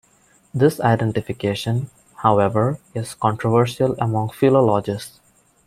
This identification, however, is controversial among philologists.